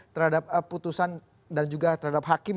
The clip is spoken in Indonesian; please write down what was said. terhadap putusan dan juga terhadap hakim